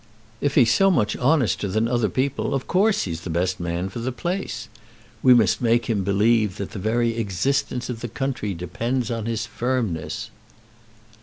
If he's so much honester than other people, of course he's the best man for the place. We must make him believe that the very existence of the country depends on his firmness."